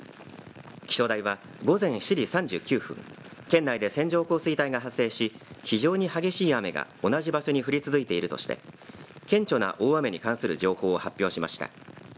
気象台は午前７時３９分県内で線状降水帯が発生し非常に激しい雨が同じ場所に降り続いているとして顕著な大雨に関する情報を発表しました。